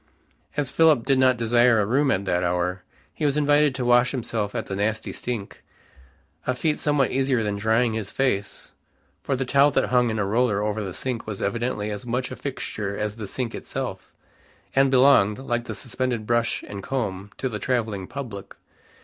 As Philip did not desire a room at that hour, he was invited to wash himself at the nasty sink, a feat somewhat easier than drying his face, for the towel that hung in a roller over the sink was evidently as much a fixture as the sink itself, and belonged, like the suspended brush and comb, to the traveling public.